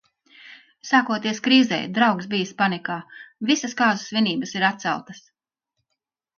Sākoties krīzei, draugs bijis panikā – visas kāzu svinības ir atceltas.